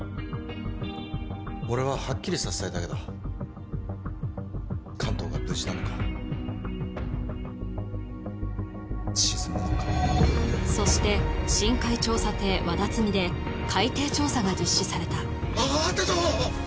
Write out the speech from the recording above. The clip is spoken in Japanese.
俺ははっきりさせたいだけだ関東が無事なのか沈むのかそして深海調査艇わだつみで海底調査が実施されたあああったぞ！